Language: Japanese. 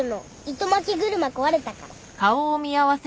糸まき車壊れたから。